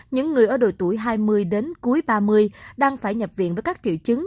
những người ở độ tuổi hai mươi đến cuối ba mươi đang phải nhập viện với các triệu chứng